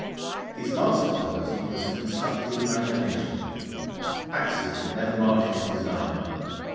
His master quality was a constructive imagination. Accident never marred his design.